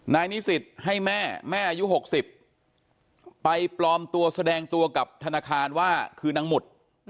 นิสิตให้แม่แม่อายุ๖๐ไปปลอมตัวแสดงตัวกับธนาคารว่าคือนางหมุด